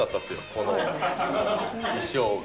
この衣装が。